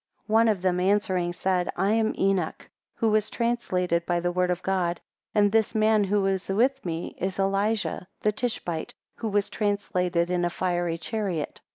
3 One of them answering, said, I am Enoch, who was translated by the word of God: and this man who is with me, is Elijah the Tishbite, who was translated in a fiery chariot.